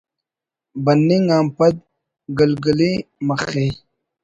بننگ آن پد گلگلے‘ مَخے